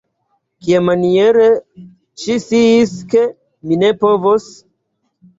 Kiamaniere ŝi sciis, ke mi ne povos?